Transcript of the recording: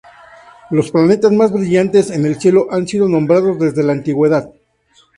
Los planetas más brillantes en el cielo han sido nombrados desde la antigüedad.